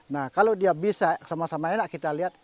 nah kalau dia bisa sama sama enak kita lihat